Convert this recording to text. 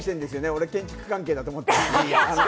俺が建築関係だと思って。